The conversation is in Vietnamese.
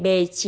bị mất tích